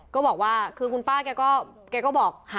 ก็บอกว่าคือคุณป้าแกก็บอก